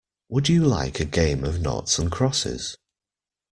Would you like a game of noughts and crosses?